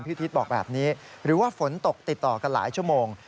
ทิศบอกแบบนี้หรือว่าฝนตกติดต่อกันหลายชั่วโมง